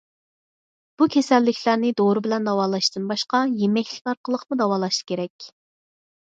بۇ كېسەللىكلەرنى دورا بىلەن داۋالاشتىن باشقا، يېمەكلىك ئارقىلىقمۇ داۋالاش كېرەك.